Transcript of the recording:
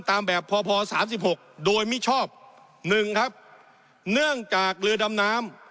ตามแบบพอพอสามสิบหกโดยมิชอบหนึ่งครับเนื่องจากเรือดำน้ำ